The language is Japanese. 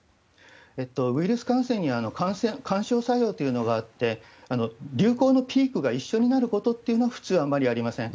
ウイルス感染に緩衝作用というのがあって、流行のピークが一緒になることというのは普通あんまりありません。